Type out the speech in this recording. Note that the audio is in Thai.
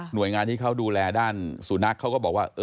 โดยงานที่เขาดูแลด้านสุนัขเขาก็บอกว่า